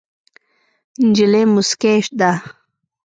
نجلۍ موسکۍ ده.